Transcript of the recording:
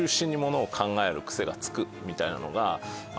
みたいなのが。